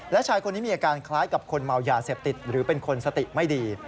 และชายคนนี้มีอาการคล้ายกับคนเมายาเสพติดหรือเป็นคนสติไม่ดี